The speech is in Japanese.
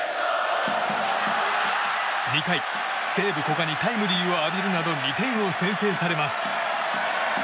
２回、西武、古賀にタイムリーを浴びるなど２点を先制されます。